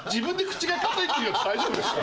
大丈夫ですか？